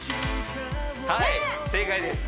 はい正解です